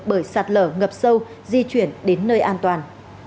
bởi sạt lở ngập sâu di chuyển đến nơi an toàn